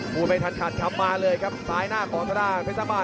ไม่ทันขัดคำมาเลยครับซ้ายหน้าของทางด้านเพชรสร้างบ้าน